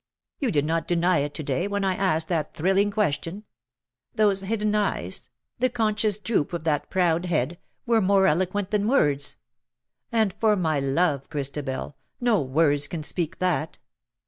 You did not deny it to day, when I asked that thrilling question — those hidden eyes, the conscious droop of that 248 ''love bore such bitter proud head^ were more eloquent than words. And for my love^ Christabel — no words can speak that.